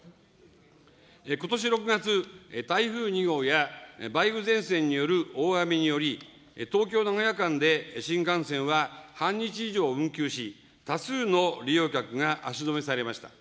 ことし６月、台風２号や梅雨前線による大雨により、東京・名古屋間で新幹線は半日以上運休し、多数の利用客が足止めされました。